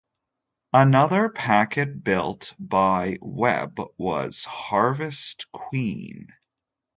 Another packet built by Webb was Harvest Queen.